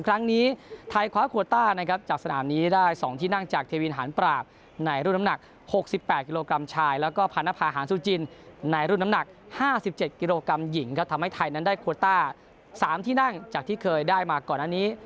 ครั้งนี้ไทยคว้าโควต้านะครับจากสนามนี้ได้๒ที่นั่งจากเทวินหารปราบในรุ่นน้ำหนัก๖๘กิโลกรัมชายแล้วก็พาณภาหารสุจินในรุ่นน้ำหนัก๕๗กิโลกรัมหญิงครับทำให้ไทยนั้นได้โควต้า๓ที่นั่งจากที่เคยได้มาก่อนอันนี้